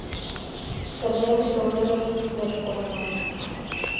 Эрден ӱстелтӧрыш еш погына.